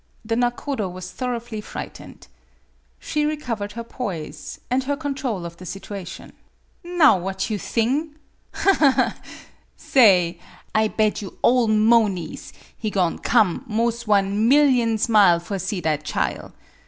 The nakodo was thoroughly frightened. She recovered her poise and her control of the situation. "Now what you thing? Aha, ha, ha! Sa ay I bed you all moaneys he go'n' come 'mos' one millions mile for see that chile!